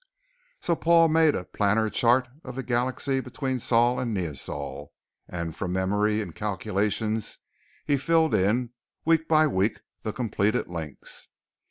So Paul made a planar chart of the galaxy between Sol and Neosol, and from memory and calculations he filled in, week by week, the completed links.